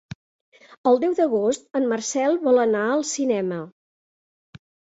El deu d'agost en Marcel vol anar al cinema.